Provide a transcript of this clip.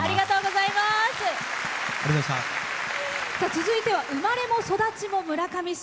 続いては生まれも育ちも村上市。